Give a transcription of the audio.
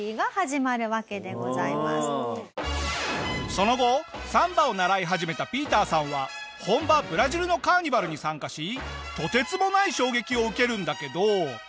その後サンバを習い始めたＰＩＥＴＥＲさんは本場ブラジルのカーニバルに参加しとてつもない衝撃を受けるんだけど。